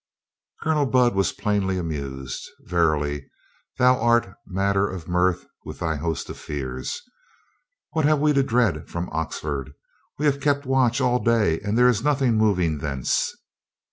Colonel Budd was plainly amused. "Verily, thou art matter of mirth with thy host of fears. What have we to dread from Oxford? We have kept watch all day and there is nothing moving thence."